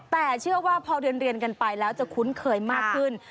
แต่เชื่อว่าพอเรียนกันไปแล้วจะคุ้นเคยมากขึ้น